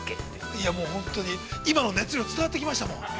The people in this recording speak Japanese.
◆いやもう本当に今の熱量、伝わってきましたもん。